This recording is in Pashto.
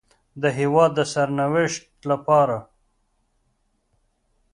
د هېواد د سرنوشت لپاره